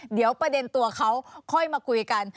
เดี๋ยวประเด็นตัวเขาค่อยมาคุยกัน